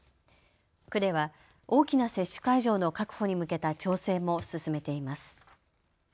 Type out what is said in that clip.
区では大きな接種会場の確保に向けた調整も進めています。